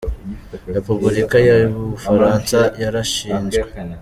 Repubulika ya y’u Bufaransa yarashinzwe.